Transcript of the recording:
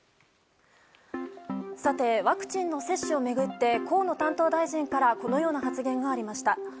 さて、ワクチンの接種を巡って河野担当大臣からこのような発言がありました。